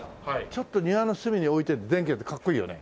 ちょっと庭の隅に置いて電気入れるとかっこいいよね。